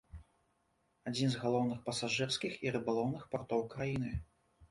Адзін з галоўных пасажырскіх і рыбалоўных партоў краіны.